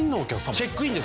チェックインです。